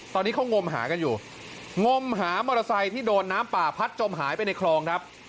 ตอนนี้เขางมหากันอยู่งมหามอเตอร์ไซค์ที่โดนน้ำป่าพัดจมหายไปในคลองครับ